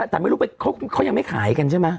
แต่ไม่รู้เขายังไม่ขายกันใช่ไหม